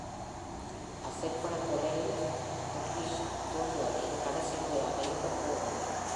அசைப்படத் தொடரில் Takius தோன்றுவது இது கடைசி முறையாக இருக்கப் போவதில்லை.